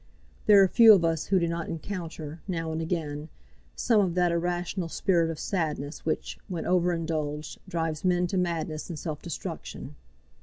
There are few of us who do not encounter, now and again, some of that irrational spirit of sadness which, when over indulged, drives men to madness and self destruction.